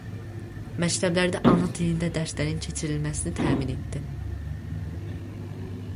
Məktəblərdə ana dilində dərslərin keçirilməsini təmin etdi.